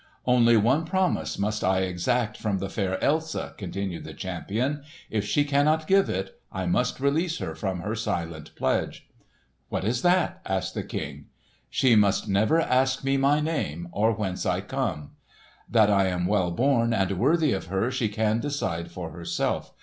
"Only one promise must I exact from the fair Elsa," continued the champion. "If she cannot give it, I must release her from her silent pledge." "What is that?" asked the King. "She must never ask me my name, or whence I come. That I am well born and worthy of her she can decide for herself.